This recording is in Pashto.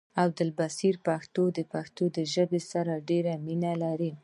عبدالبصير پښتون د پښتو ژبې سره ډيره مينه لري